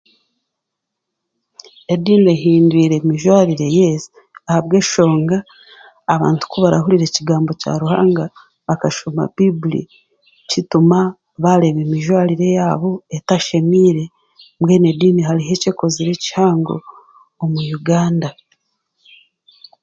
Ediini ehindwire emijwarire yaitu ahabw'eshonga, abantu ku barahurira ekigambo kya Ruhanga, bakashoma baiburi, kituma baareeba emijwarire yaabo etashemeire, mbwenu ediini eine eki ekozire kihango omu Uganda.